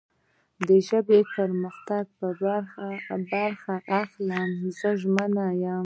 د ژبې په پرمختګ کې برخه اخلم. زه ژمن یم